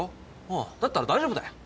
ああだったら大丈夫だよ。